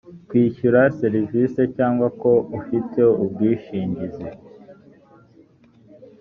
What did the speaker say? kwishyura serivise cyangwa ko ufite ubwishingizi